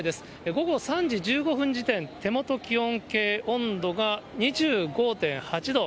午後３時１５分時点、手元気温計、温度が２５．８度。